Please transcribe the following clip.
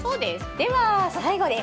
では、最後です。